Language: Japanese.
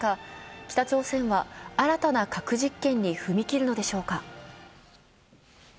北朝鮮は新たな核実験に踏み切るのでしょうか？